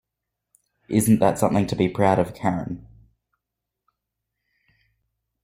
Isn’t that something to be proud of, Karen?